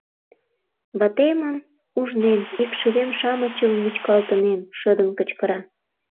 Ватемым ужнем, икшывем-шамычым вӱчкалтынем! — шыдын кычкыра.